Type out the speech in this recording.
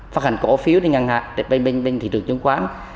phát hành cổ phiếu trên ngân hàng bên thị trường chứng khoán